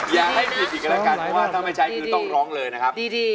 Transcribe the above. อย่าให้ผิดอีกถ้าไม่ใช้ก็ต้องร้องเลยนะครับ